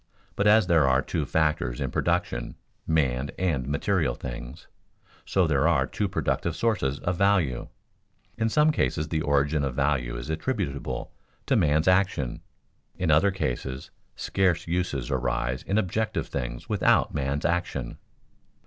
But as there are two factors in production, man and material things, so there are two productive sources of value. In some cases the origin of value is attributable to man's action; in other cases scarce uses arise in objective things without man's action.